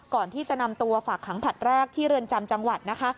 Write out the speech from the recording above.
ก่อนที่จะนำตัวฝากขังผลัดแรกที่เรือนจำจังหวัดนะคะ